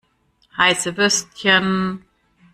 Heiße Würstchen!